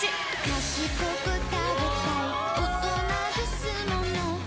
かしこく食べたいおとなですものうわ！